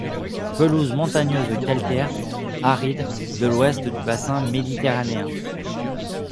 Pelouses montagneuses calcaires, arides de l'ouest du bassin méditerranéen.